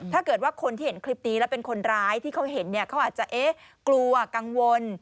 ถ้าเกิดว่าคนที่เห็นคลิปนี้แล้วเป็นคนร้ายที่เขาเห็นเนี่ยเขาอาจจะเอ๊ะกลัวกังวล